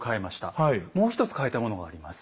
もう一つ変えたものがあります。